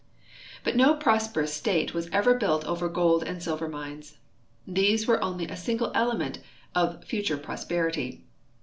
But no prosperous state Avas ever built over gold and silver mines. These Avere only a single element of future prosperity.